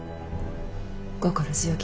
心強き